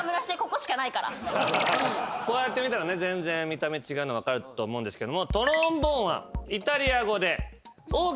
こうやって見たら全然見た目違うの分かると思うんですけども。